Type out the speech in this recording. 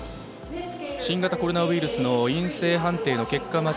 新型コロナウイルスの陰性判定の結果